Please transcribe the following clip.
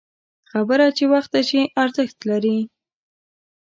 خبره چې وخته وشي، ارزښت لري